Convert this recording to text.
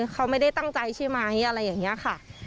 เขาไม่ได้ตั้งใจใช่ไหมอะไรอย่างนี้ค่ะ